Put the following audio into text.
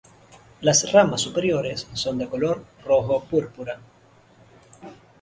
Las ramas superiores son de color rojo-púrpura.